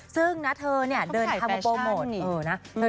ซึ่งเธอเนี่ย